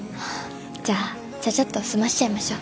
じゃあちゃちゃっと済ませちゃいましょう。